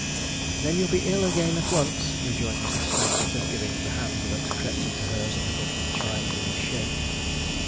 ...") "Then you'll be ill again at once," rejoined Mrs. Stayne Brooker, giving the hand that had crept into hers a little chiding shake.